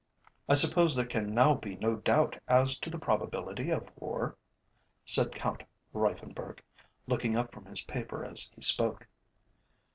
"I suppose there can now be no doubt as to the probability of war?" said Count Reiffenburg, looking up from his paper as he spoke.